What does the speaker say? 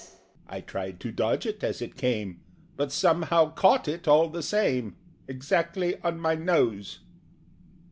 I tried to dodge it as it came, But somehow caught it, all the same, Exactly on my nose.